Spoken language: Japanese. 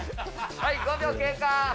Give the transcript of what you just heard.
はい、５秒経過。